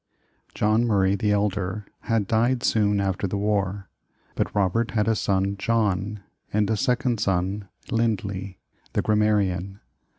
" John Murray, the elder, had died soon after the war, but Robert had a son John, and a second son, Lindley, the grammarian.